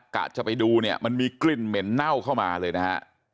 กะจะไปดูเนี่ยมันมีกลิ่นเหม็นเน่าเข้ามาเลยนะฮะ